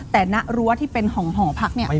แต่ณรั้วที่เป็นหอพักเนี่ย